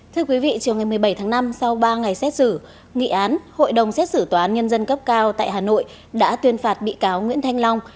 thưa quý vị chiều ngày một mươi bảy tháng năm sau ba ngày xét xử nghị án hội đồng xét xử tòa án nhân dân cấp cao tại hà nội đã tuyên phạt bị cáo nguyễn thanh long